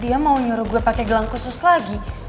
dia mau nyuruh gue pakai gelang khusus lagi